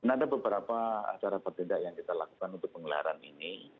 ada beberapa acara bertindak yang kita lakukan untuk pengelaran ini